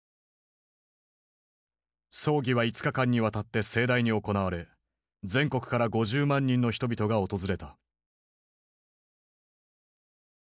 葬儀は５日間にわたって盛大に行われ全国から５０万人の人々が訪れた。